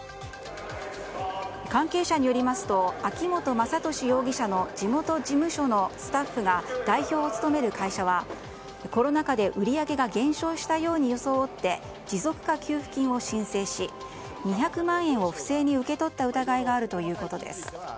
関係者によりますと秋本真利容疑者の地元事務所のスタッフが代表を務める会社はコロナ禍で売り上げが減少したように装って持続化給付金を申請し２００万円を不正に受け取った疑いがあるということです。